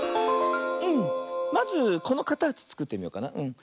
まずこのかたちつくってみようかな。